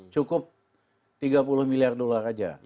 cukup tiga puluh miliar dolar aja